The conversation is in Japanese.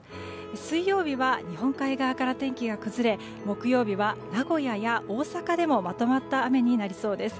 水曜日は日本海側から天気が崩れ木曜日は名古屋や大阪でもまとまった雨になりそうです。